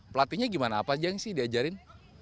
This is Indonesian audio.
pelatihnya gimana apa yang diajarin